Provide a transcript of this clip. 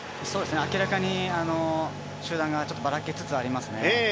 明らかに集団がばらけつつありますね。